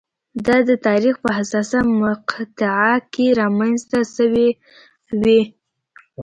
دا د تاریخ په حساسه مقطعه کې رامنځته شوې وي.